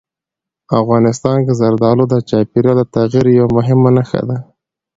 افغانستان کې زردالو د چاپېریال د تغیر یوه مهمه نښه ده.